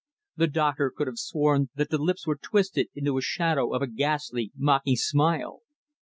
The doctor could have sworn that the lips were twisted into a shadow of a ghastly, mocking smile.